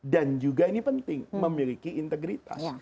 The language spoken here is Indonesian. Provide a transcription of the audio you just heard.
dan juga ini penting memiliki integritas